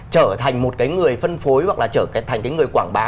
trở thành một cái người phân phối hoặc là trở thành cái người quảng bá